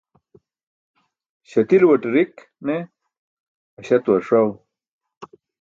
Śatiluwate rik ne aśaatuwar ṣaw